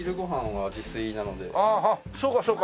はあはあそうかそうか。